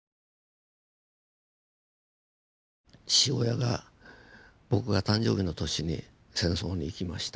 父親が僕が誕生日の年に戦争に行きました。